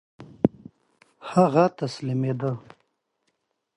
هغه تسلیمېدی.